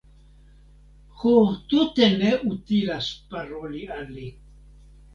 Ho, tute ne utilas paroli al li.